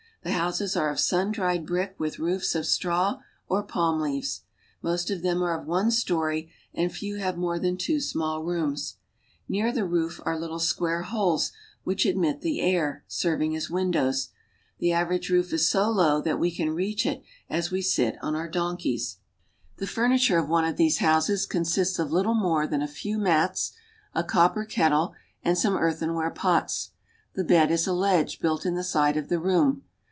The houses are of sun dried brick with roofs of traw or palm leaves. Most of them are of one story, and V have more than two small rooms. Near the roof are le square holes which admit the air, serving as windows ; e average roof is so low that we can reach it as we sit I our donkeys. 90 AFRICA The furniture of one of these houses consists of little more than a few mats, a copper kettle, and some earthen ware pots. The bed is a ledge, built in the side of the room.